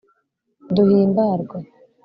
duhimbarwe